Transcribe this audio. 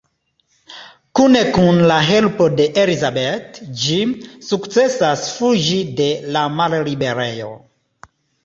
Kune kun la helpo de Elisabeth, Jim sukcesas fuĝi de la malliberejo.